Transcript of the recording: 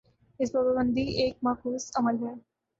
اس پر پابندی ایک معکوس عمل ہے۔